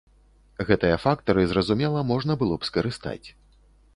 Гэтыя фактары, зразумела, можна было б скарыстаць.